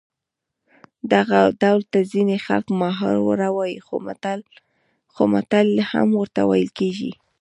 دغه ډول ته ځینې خلک محاوره وايي خو متل هم ورته ویل کېږي